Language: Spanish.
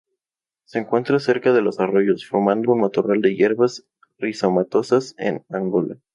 Se encuentra cerca de los arroyos, formando un matorral de hierbas rizomatosas en Angola.